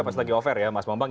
pas lagi offer ya mas bambang